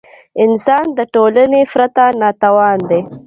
انسان د ټولني پرته ناتوان دی.